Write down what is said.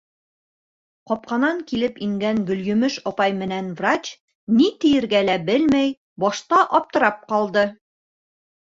Ҡапҡанан килеп ингән Гөлйемеш апай менән врач, ни тиергә лә белмәй, башта аптырап ҡалды.